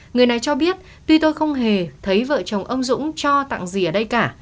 người này cho biết tuy tôi không hề thấy vợ chồng ông dũng cho tặng gì ở đây cả